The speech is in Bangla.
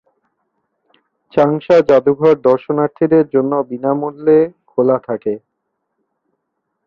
চাংশা যাদুঘর দর্শনার্থীদের জন্য বিনামূল্যে খোলা থাকে।